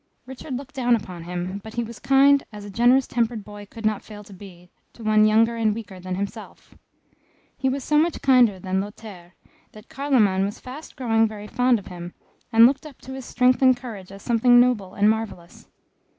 Richard looked down upon him; but he was kind, as a generous tempered boy could not fail to be, to one younger and weaker than himself. He was so much kinder than Lothaire, that Carloman was fast growing very fond of him, and looked up to his strength and courage as something noble and marvellous.